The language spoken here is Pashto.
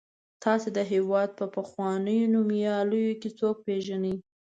تاسې د هېواد په پخوانیو نومیالیو کې څوک پیژنئ.